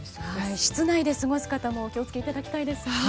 室内で過ごす方もお気を付けいただきたいですね。